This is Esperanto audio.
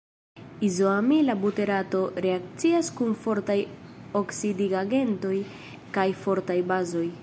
Izoamila buterato reakcias kun fortaj oksidigagentoj kaj fortaj bazoj.